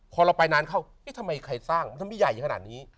พอเราไปนานเข้านี่ทำไมใครสร้างทำไมใหญ่อย่างขนาดนี้